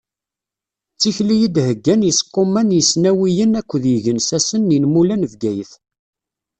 D tikli i d-heggan yiseqquma n yisnawiyen akked yigensasen inmula n Bgayet.